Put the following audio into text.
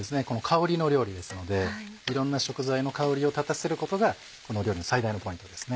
香りの料理ですのでいろんな食材の香りを立たせることがこの料理の最大のポイントです。